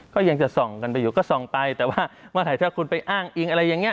ก็ยังจะส่องกันไปอยู่ก็ส่องไปแต่ว่าเมื่อไหร่ถ้าคุณไปอ้างอิงอะไรอย่างเงี้